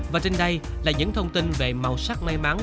và trên đây là những thông tin về màu sắc may mắn